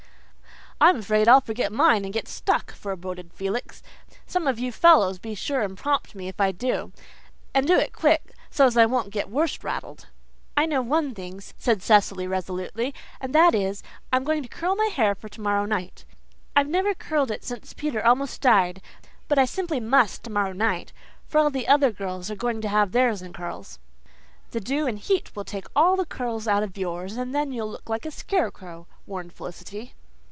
"I'm afraid I'll forget mine and get stuck," foreboded Felix. "Some of you fellows be sure and prompt me if I do and do it quick, so's I won't get worse rattled." "I know one thing," said Cecily resolutely, "and that is, I'm going to curl my hair for to morrow night. I've never curled it since Peter almost died, but I simply must tomorrow night, for all the other girls are going to have theirs in curls." "The dew and heat will take all the curl out of yours and then you'll look like a scarecrow," warned Felicity.